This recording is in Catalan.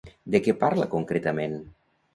De què parla, concretament?